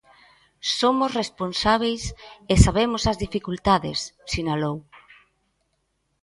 Somos responsábeis e sabemos as dificultades, sinalou.